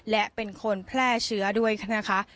และเป็นคนแพร่เชื้อด้วยนะคะ